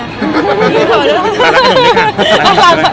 ร้านขนมด้วยค่ะ